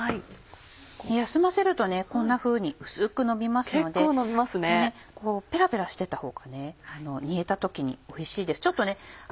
休ませるとこんなふうに薄くのびますのでペラペラしてたほうが煮えた時においしいです。